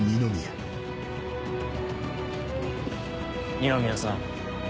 二宮さん。